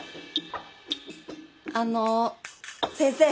あの先生。